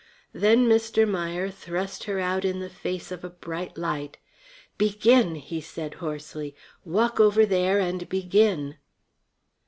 Then Mr. Meier thrust her out in the face of a bright light. "Begin," he said hoarsely. "Walk over there and begin."